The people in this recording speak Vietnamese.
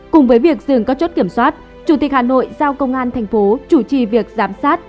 cùng với việc dừng các chốt kiểm soát chủ tịch hà nội giao công an thành phố chủ trì việc giám sát